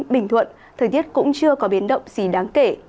bình thuận thời tiết cũng chưa có biến động gì đáng kể